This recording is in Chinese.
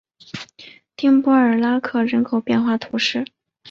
于帕尔拉克人口变化图示